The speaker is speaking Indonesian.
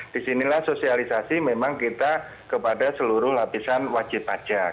disinilah sosialisasi memang kita kepada seluruh lapisan wajib pajak